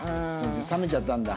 冷めちゃったんだ。